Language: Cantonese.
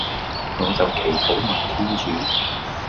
我就祈禱問天主